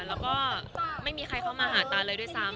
แล้วก็ไม่มีใครเข้ามาหาตาเลยด้วยซ้ำ